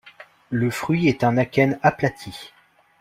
Le fruit est un akène aplati.